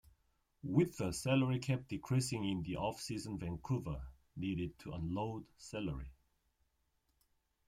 With the salary cap decreasing in the off-season Vancouver needed to unload salary.